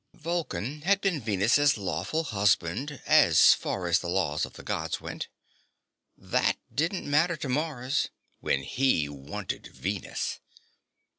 Vulcan had been Venus' lawful husband, as far as the laws of the Gods went. That didn't matter to Mars when he wanted Venus.